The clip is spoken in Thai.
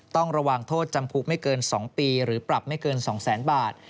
ต้องระวังโทษจำคุกไม่เกิน๒ปีหรือปรับไม่เกิน๒แสนบาท